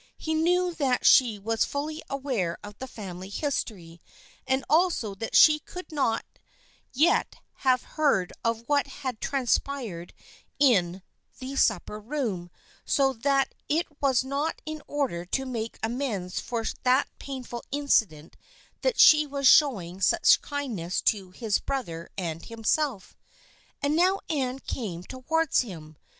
He knew that she was fully aware of the family history, and also that she could not yet have heard of what had transpired in the 212 THE FRIENDSHIP OF ANNE supper room, so it was not in order to make amends for that painful incident that she was showing such kindness to his brother and himself. And now Anne came towards him.